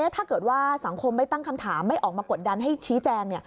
ถ้าเกิดว่าสังคมไม่ตั้งคำถามไม่ออกมากดดันให้ชี้แจง